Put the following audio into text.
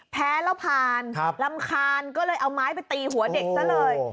แพ้แล้วผ่านรำคาญก็เลยเอาไม้ไปตีหัวเด็กซะเลย